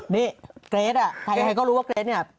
นี่เกรทย์ใครก็รู้ว่าเกรทย์นี่